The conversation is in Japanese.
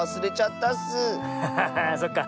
ハハハハーそっか。